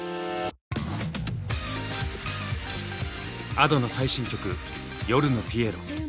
Ａｄｏの最新曲「夜のピエロ」。